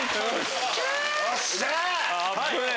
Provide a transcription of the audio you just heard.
よっしゃ！